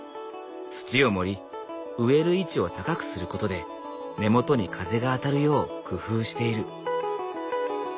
土を盛り植える位置を高くすることで根元に風が当たるよう工夫している。